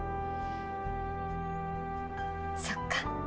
そっか。